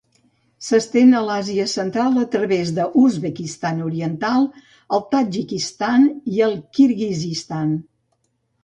S'estén a l'Àsia Central a través de l'Uzbekistan oriental, el Tadjikistan i el Kirguizistan.